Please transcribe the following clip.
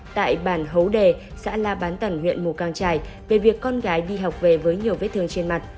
tại bản hấu đề xã la bán tần huyện mù căng trải về việc con gái đi học về với nhiều vết thương trên mặt